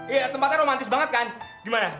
iya tempatnya romantis banget kan gimana